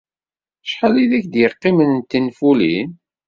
Acḥal ay ak-d-yeqqimen d tinfulin?